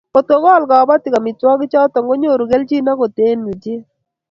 ngotkokol kobotik amitwogichoto konyoru kelchin agot eng ilchet